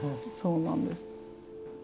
そうなんです。